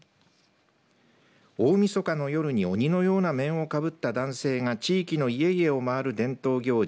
大みそかの夜に鬼のような面をかぶった男性が地域の家々を回る伝統行事。